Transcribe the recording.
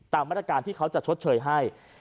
ตามมาตรการที่เขาจะชดเชยให้